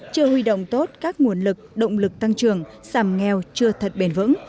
chưa huy động tốt các nguồn lực động lực tăng trưởng sàm nghèo chưa thật bền vững